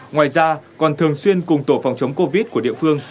ngoài ra còn thường xuyên cùng tổ phòng chống covid của địa phương